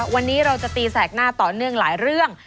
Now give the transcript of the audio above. วันนี้เราจะตีแสกหน้าต่อเนื่องหลายเรื่อง